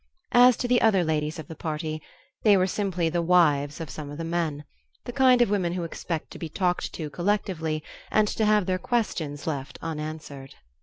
As to the other ladies of the party, they were simply the wives of some of the men the kind of women who expect to be talked to collectively and to have their questions left unanswered.